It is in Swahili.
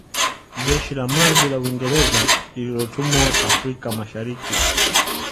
Jeshi la maji la Uingereza lililotumwa Afrika Mashariki